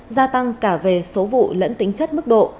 gia tăng cả về số vụ lẫn tính chất mức độ